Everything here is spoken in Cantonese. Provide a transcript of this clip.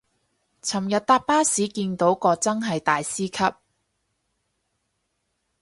尋日搭巴士見到個真係大師級